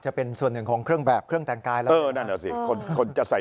จะเป็นส่วนหนึ่งของเครื่องแบบเครื่องแต่งกายแล้วคนจะใส่